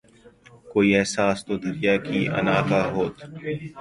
کوئی احساس تو دریا کی انا کا ہوت